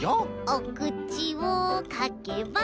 おくちをかけば。